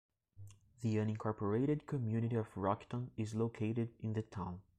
The unincorporated community of Rockton is located in the town.